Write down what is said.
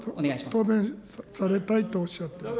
答弁されたいとおっしゃっています。